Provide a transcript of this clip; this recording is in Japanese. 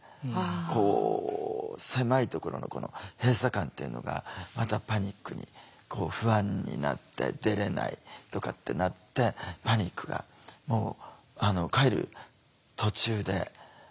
こう狭いところのこの閉鎖感というのがまたパニックに不安になって「出れない」とかってなってパニックが帰る途中で発作になっていき始めて。